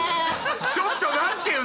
ちょっと待ってよ